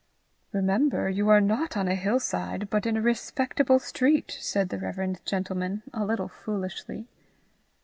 "Remember, you are not on a hill side, but in a respectable street," said the reverend gentleman, a little foolishly.